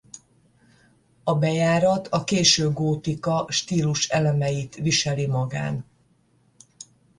A bejárat a késő gótika stíluselemeit viseli magán.